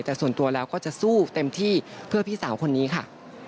แต่ส่วนตัวแล้วก็จะสู้เต็มที่เพื่อพี่สาวคนนี้ค่ะ